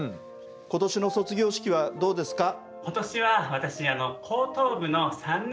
今年の卒業式はどうですか？